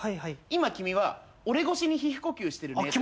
「今君は俺越しに皮膚呼吸してるね」とか。